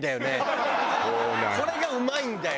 これがうまいんだよ。